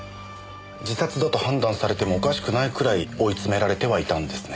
自殺だと判断されてもおかしくないくらい追い詰められてはいたんですね。